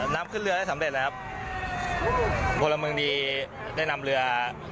นำขึ้นเรือได้สำเร็จนะครับพลเมืองดีได้นำเรือ